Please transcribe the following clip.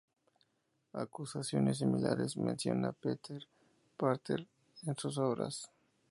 Acusaciones similares menciona Peter Partner en sus obras.